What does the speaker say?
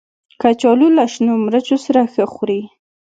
کچالو له شنو مرچو سره ښه خوري